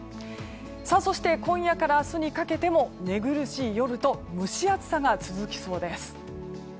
そして、今夜から明日にかけても寝苦しい夜と蒸し暑さが続きそうです。